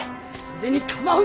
俺に構うな！